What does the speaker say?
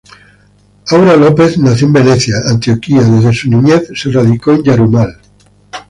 Aura López nació en Venecia, Antioquia; desde su niñez se radicó en Yarumal.